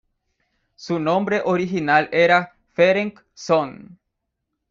Su nombre original era Ferenc Sohn.